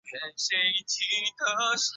小硬枝藓为平藓科羽枝藓属下的一个种。